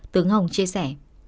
tướng hồng chia sẻ